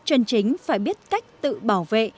chân chính phải biết cách tự bảo vệ